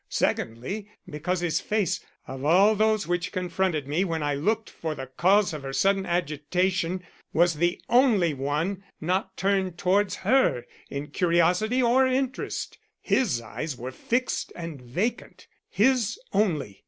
Secondly, because his face of all those which confronted me when I looked for the cause of her sudden agitation, was the only one not turned towards her in curiosity or interest. His eyes were fixed and vacant; his only.